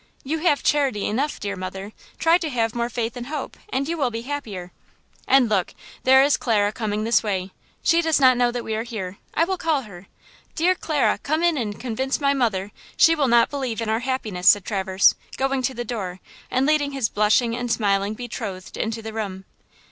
You have Charity enough, dear mother; try to have more Faith and Hope, and you will be happier! And look–there is Clara coming this way! She does not know that we are here. I will call her. Dear Clara, come in and convince my mother–she will not believe in our happiness," said Traverse, going to the door and leading his blushing and smiling betrothed into the room.